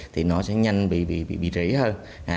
thì nó sẽ nhanh bị rỉ hơn